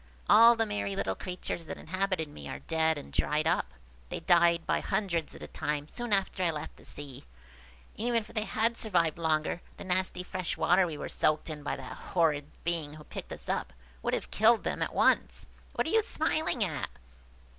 All the merry little creatures that inhabited me are dead and dried up. They died by hundreds at a time soon after I left the sea; and even if they had survived longer, the nasty fresh water we were soaked in by the horrid being who picked us up, would have killed them at once. What are you smiling at?"